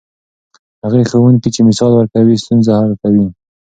هغه ښوونکی چې مثال ورکوي، ستونزه حل کوي.